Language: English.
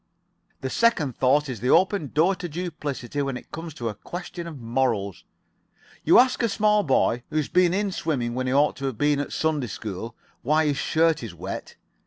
The second thought is the open door to duplicity when it comes to a question of morals. You ask a small boy, who has been in swimming when he ought to have been at Sunday school, why his shirt is wet.